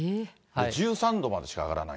１３度までしか上がらない。